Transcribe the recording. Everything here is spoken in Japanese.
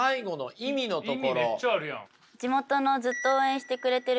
意味めっちゃあるやん。